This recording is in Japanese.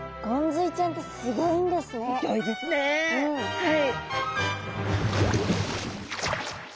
はい。